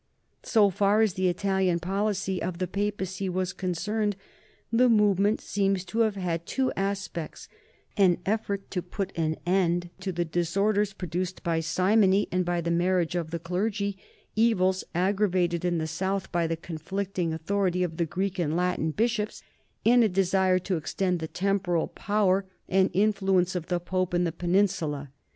So far as the Italian policy of the Pa pacy was concerned, the movement seems to have had two aspects, an effort to put an end to the disorders THE NORMANS IN THE SOUTH 203 produced by simony and by the marriage of the clergy, evils aggravated in the south by the conflicting author ity of the Greek and Latin bishops, and a desire to ex tend the temporal power and influence of the Pope in the peninsula.